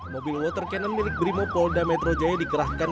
mobil water cannon milik brimopolda metro jaya dikerahkan